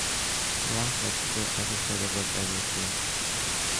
Ya! That's true. I have heard of that earlier too.